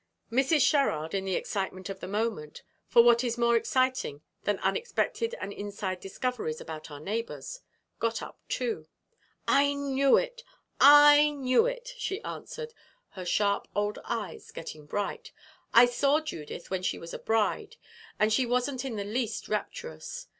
Mrs. Sherrard, in the excitement of the moment for what is more exciting than unexpected and inside discoveries about our neighbors? got up too. "I knew it I knew it!" she answered, her sharp old eyes getting bright. "I saw Judith when she was a bride, and she wasn't in the least rapturous.